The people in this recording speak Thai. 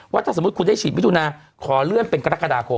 ถ้าสมมุติคุณได้ฉีดมิถุนาขอเลื่อนเป็นกรกฎาคม